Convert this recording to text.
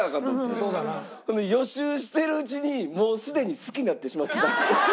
そうだな。予習しているうちにもうすでに好きになってしまってたんですよ。